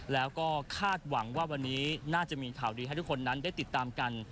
แล้วก็คาดหวังว่าวันนี้น่าจะมีข่าวดีให้ทุกคนนั้นได้ติดตามกัน